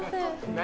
何？